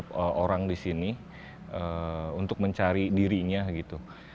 untuk orang di sini untuk mencari dirinya gitu